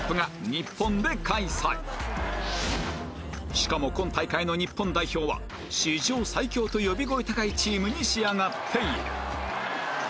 しかも今大会の日本代表は史上最強と呼び声高いチームに仕上がっている